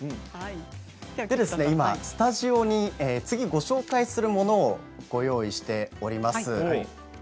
今スタジオに次ご紹介するものをご用意しております。